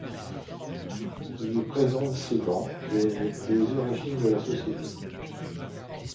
Elle y présente ses Géants et les origines de la société.